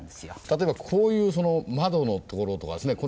例えばこういう窓のところとかですね